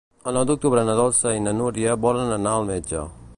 El nou d'octubre na Dolça i na Núria volen anar al metge.